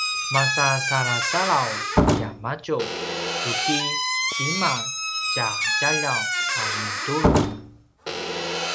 masasalasalaw tiamadju tu ki tima tja djaljaw a mintuluq